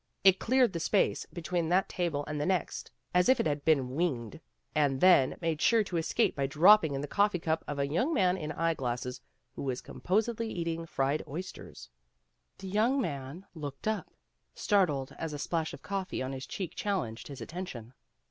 It cleared the space be tween that table and the next as if it had been winged, and then made sure of escape by dropping in the coffee cup of a young man in eye glasses, who was composedly eating fried oysters. 164 PEGGY RAYMOND'S WAY The young man looked up, startled as a splash of coffee on his cheek challenged his at tention.